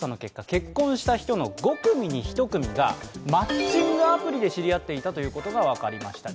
結婚した人の５組に１組がマッチングアプリで知り合っていたことが分かりました。